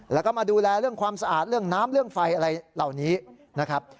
แล้วก็มาดูแลเรื่องความสะอาดเรื่องน้ำเรื่องไฟอะไรเหล่านี้นะครับ